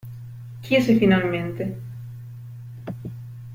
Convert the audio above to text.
Chiese finalmente.